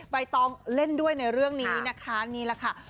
ใบตองเล่นด้วยในเรื่องนี้นะคะนี่แหละค่ะ